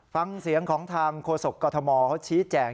ฟังเสียงของทางโฆษกกรทมเขาชี้แจง